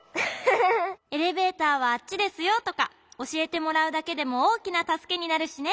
「エレベーターはあっちですよ」とかおしえてもらうだけでもおおきなたすけになるしね。